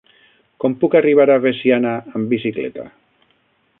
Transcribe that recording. Com puc arribar a Veciana amb bicicleta?